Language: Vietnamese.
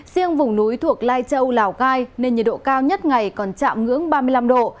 riêng vùng núi thuộc lai châu lào cai nên nhiệt độ cao nhất ngày còn chạm ngưỡng ba mươi năm độ